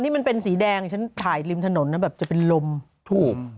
นี่มันเป็นสีแดงฉันถ่ายริมถนนนะแบบจะเป็นลมถูก